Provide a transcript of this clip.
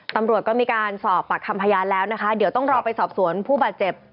ตำรวจก็มีการสอบปากคำพยานแล้วนะคะเดี๋ยวต้องรอไปสอบสวนผู้บาดเจ็บ